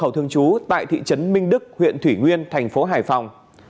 hậu thường trú tại thị trấn minh đức huyện thủy nguyên thành phố hải phòng